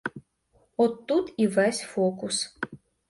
От тут і весь фокус.